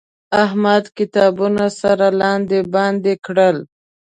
احمد کتابونه سره لاندې باندې کړل.